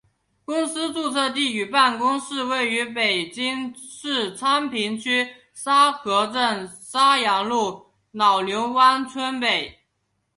公司注册与办公地位于北京市昌平区沙河镇沙阳路老牛湾村北。